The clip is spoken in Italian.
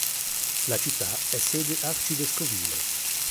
La città è sede arcivescovile.